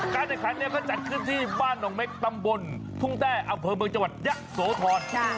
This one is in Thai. การแข่งขันเนี้ยจะจัดเข้าไปบ้านแม่งหมัดตำบลทุ่งแท่บอเตศเมืองจังหวัดยะโสธอน